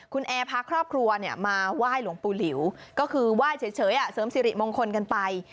คุณแอร์พาครอบครัวมาไหว้หลวงปู่หลิวก็คือไหว้เฉยเสริมสิริมงคลกันไป